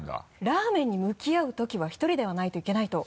ラーメンに向き合う時は１人ではないといけないと。